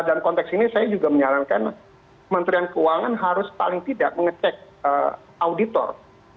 dan konteks ini saya juga menyalankan menteri keuangan harus paling tidak mengecek auditor